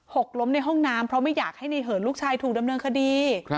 กล้มในห้องน้ำเพราะไม่อยากให้ในเหินลูกชายถูกดำเนินคดี